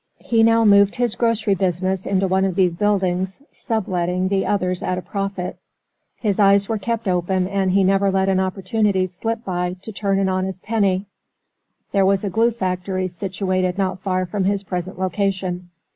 He now moved his grocery business into one of these buildings, subletting the others at a profit. His eyes were kept open, and he never let an opportunity slip by to turn an honest penny. There was a glue factory situated not far from his present location.